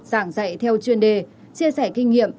dạy theo chuyên đề chia sẻ kinh nghiệm